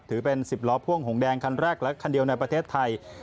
ถือเป็น๑๐ล้อพ่วงหงแดงคันแรกและคันเดียวในประเทศไทย